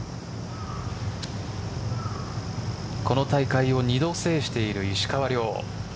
この大会を２度制している石川遼。